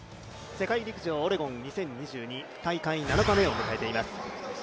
世界陸上オレゴン２０２２、大会７日目を迎えています。